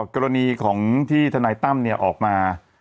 กรณีที่ทนัยต้ำออกมา